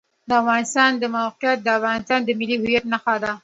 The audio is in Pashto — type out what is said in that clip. د افغانستان د موقعیت د افغانستان د ملي هویت نښه ده.